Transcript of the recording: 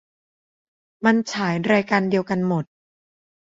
มันฉายรายการเดียวกันหมด